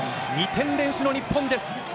２点連取の日本です。